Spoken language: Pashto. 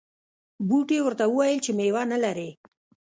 بوټي ورته وویل چې میوه نه لرې.